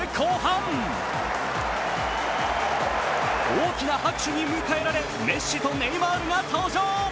大きな拍手に迎えられメッシとネイマールが登場。